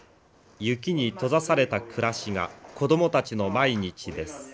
雪に閉ざされた暮らしが子どもたちの毎日です。